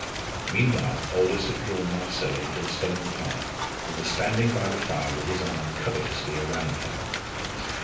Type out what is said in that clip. Meanwhile, Aldous had drawn Marcella into the Stone Parlour and was standing by the fire with his arm covetously round her.